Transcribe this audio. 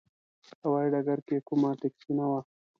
هوايي ډګر کې کومه ټکسي نه وه.